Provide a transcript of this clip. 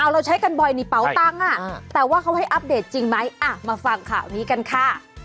เราใช้กันบ่อยในเป๋าตังค์แต่ว่าเขาให้อัปเดตจริงไหมมาฟังข่าวนี้กันค่ะ